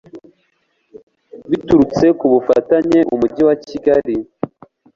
biturutse ku bufatanye umujyi wa kigali